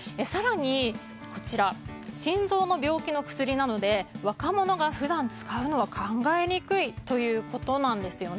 更に、心臓の病気の薬なので若者が普段使うのは考えにくいということなんです。